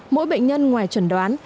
mỗi bệnh nhân ngoài chuẩn đoán